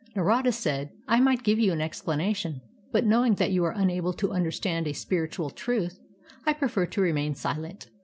Xarada said: ^'I might give you an explanation, but knowing that you are unable to understand a spiritual truth, I prefer to remain silent.